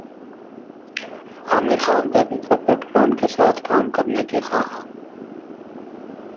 عامرخان دپیکا پڈوکون کے ساتھ کام کرنے کے خواہاں